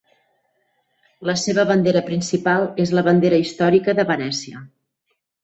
La seva bandera principal és la bandera històrica de Venècia.